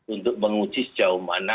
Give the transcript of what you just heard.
untuk menguji sejauh mana